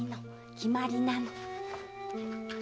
決まりなの。